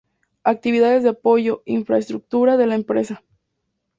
Actividades de apoyo: infraestructura de la empresa.